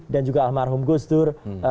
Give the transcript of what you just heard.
dan juga almarhum gus dur